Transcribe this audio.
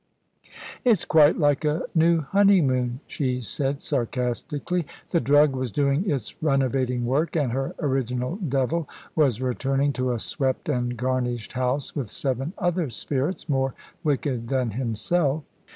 "It's quite like a new honeymoon," she said, sarcastically. The drug was doing its renovating work, and her original devil was returning to a swept and garnished house, with seven other spirits more wicked than himself.